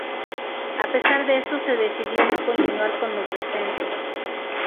A pesar de esto se decidió no continuar con los descensos.